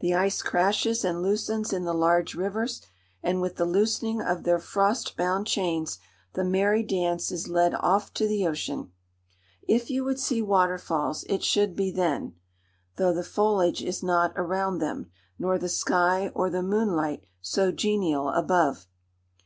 The ice crashes and loosens in the large rivers, and with the loosening of their frost bound chains, the merry dance is led off to the ocean. If you would see waterfalls, it should be then; though the foliage is not around them, nor the sky or the moon light so genial above.